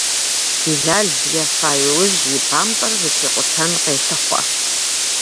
Билал ефа иужь и бампӏэр зытрикъутэн къелъыхъуэ.